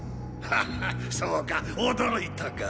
はっはそうか驚いたか。